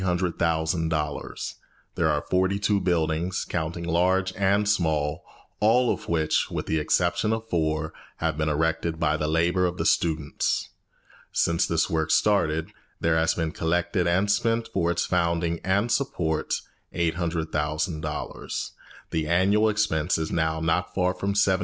There are forty two buildings, counting large and small, all of which, with the exception of four, have been erected by the labour of the students. Since this work started, there has been collected and spent for its founding and support $800,000. The annual expense is now not far from $75,000.